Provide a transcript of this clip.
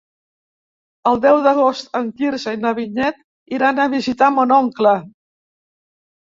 El deu d'agost en Quirze i na Vinyet iran a visitar mon oncle.